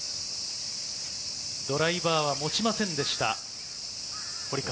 ドライバーは持ちませんでした、堀川。